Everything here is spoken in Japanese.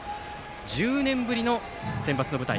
１０年ぶりのセンバツの舞台